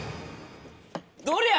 どりゃ！